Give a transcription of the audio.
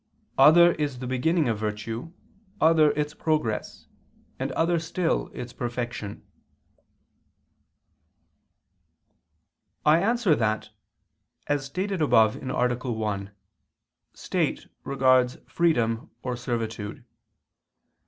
"Other is the beginning of virtue, other its progress, and other still its perfection." I answer that, As stated above (A. 1) state regards freedom or servitude.